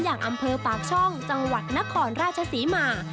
อย่างอำเภอปากช่องจังหวัดนครราชศรีมา